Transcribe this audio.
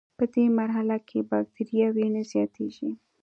پدې مرحله کې بکټریاوې نه زیاتیږي.